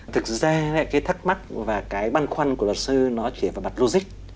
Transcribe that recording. thực ra cái thắc mắc và cái băn khoăn của luật sư nó chỉ vào mặt logic